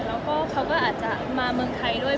แล้วก็เขาก็อาจจะมาเมืองไทยด้วย